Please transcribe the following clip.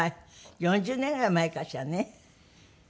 ４０年ぐらい前かしらね？